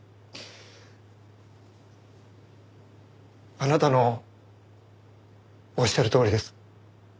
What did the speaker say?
あなたのおっしゃるとおりです。